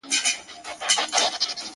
o چي خبر د کلي خلګ په دې کار سوه,